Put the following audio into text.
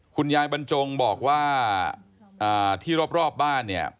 คุณยายบรรจงบอกว่าอ่าที่รอบรอบบ้านเนี่ย